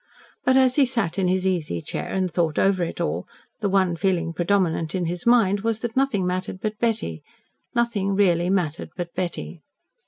But, as he sat in his easy chair and thought over it all, the one feeling predominant in his mind was that nothing mattered but Betty nothing really mattered but Betty.